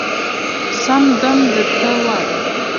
سم دم درته وايم